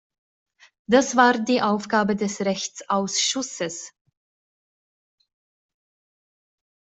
Das war die Aufgabe des Rechtsausschusses.